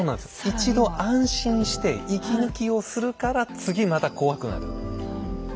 一度安心して息抜きをするから次また怖くなる。